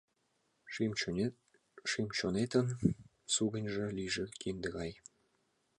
Шӱм-чонетын сугыньжо лийже кинде гай.